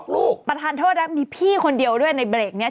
ลูกประธานโทษนะมีพี่คนเดียวด้วยในเบรกนี้